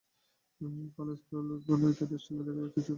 Curl, spiral, loose bun ইত্যাদি style দেখা গেছে ছোট চুলের মধ্যে।